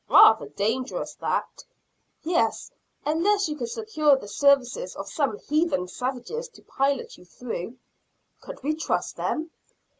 "Rather dangerous that." "Yes, unless you could secure the services of some heathen savages to pilot you through." "Could we trust them?"